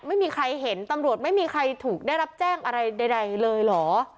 ไม่มีใครเห็นตำรวจไม่มีใครถูกได้รับแจ้งอะไรใดเลยเหรอ